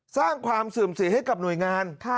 สร้างความเสื่อมเสียให้กับหน่วยงาน